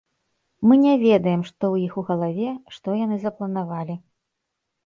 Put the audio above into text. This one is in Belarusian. Мы не ведаем, што ў іх у галаве, што яны запланавалі.